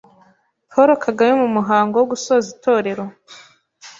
Paul Kagame mu muhango wo gusoza Itorero